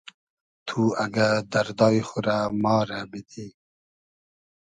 تو اگۂ دئردای خو رۂ ما رۂ بیدی